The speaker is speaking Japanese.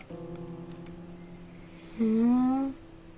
ふん。